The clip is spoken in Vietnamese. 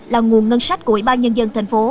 là nguồn ngân sách của ubnd tp